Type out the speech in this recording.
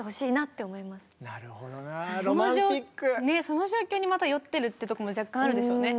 その状況にまた酔ってるってとこも若干あるでしょうね。